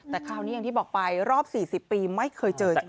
แต่คราวนี้อย่างที่บอกไปรอบ๔๐ปีไม่เคยเจอจริง